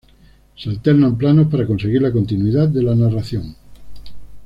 Se alternan planos para conseguir la continuidad de la narración.